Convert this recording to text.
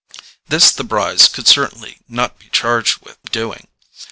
This the Brys could certainly not be charged with doing.